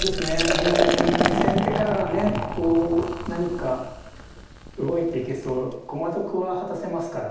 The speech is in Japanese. うん先手からはねこう何か動いていけそう駒得は果たせますからね。